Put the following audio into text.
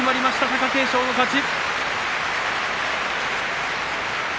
貴景勝の勝ち。